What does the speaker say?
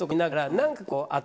何かこう。